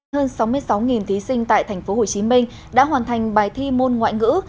hơn sáu mươi sáu thí sinh tại tp hcm đã hoàn thành bài thi môn ngoại ngữ